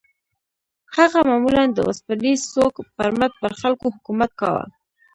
هغه معمولاً د اوسپنيز سوک پر مټ پر خلکو حکومت کاوه.